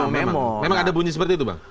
memang ada bunyi seperti itu bang